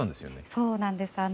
そうなんです。